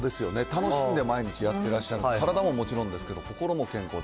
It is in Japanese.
楽しんで毎日やってらっしゃる、体ももちろんですけど、心も健康。